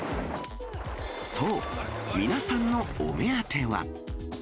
そう、皆さんのお目当ては。